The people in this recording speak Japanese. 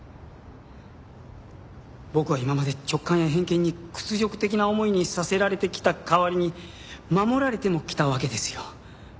僕は今まで直感や偏見に屈辱的な思いにさせられてきた代わりに守られてもきたわけですよ。